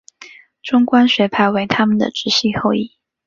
中观学派为他们的直系后裔。